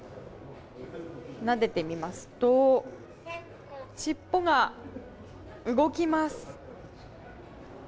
なでてみますと尻尾が動きます。